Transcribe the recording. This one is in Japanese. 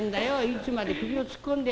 いつまで首を突っ込んで。